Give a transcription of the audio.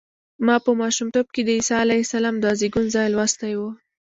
ما په ماشومتوب کې د عیسی علیه السلام د زېږون ځای لوستی و.